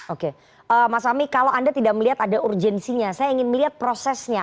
oke mas ami kalau anda tidak melihat ada urgensinya saya ingin melihat prosesnya